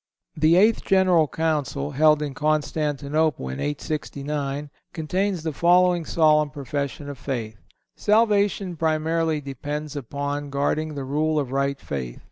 The Eighth General Council, held in Constantinople in 869, contains the following solemn profession of faith: "Salvation primarily depends upon guarding the rule of right faith.